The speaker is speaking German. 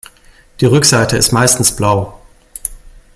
Die Rückseite ist meistens blau.